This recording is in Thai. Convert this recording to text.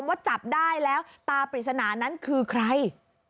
ว่าจับได้แล้วตาปริศนานั้นคือใคร